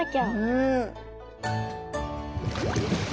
うん。